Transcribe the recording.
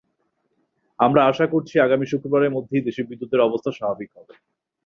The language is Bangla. আমরা আশা করছি, আগামী শুক্রবারের মধ্যেই দেশে বিদ্যুতের অবস্থা স্বাভাবিক হবে।